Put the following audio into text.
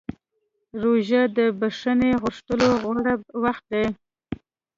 روژه د بښنې غوښتلو غوره وخت دی.